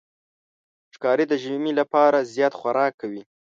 ښکاري د ژمي لپاره زیات خوراک کوي.